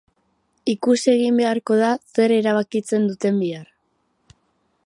Ikusi egin beharko da zer erabakitzen duten bihar.